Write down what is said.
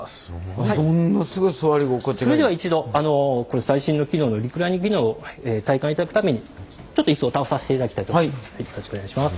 それでは一度あの最新の機能のリクライニング機能を体感いただくためにちょっとイスを倒させていただきたいと思います。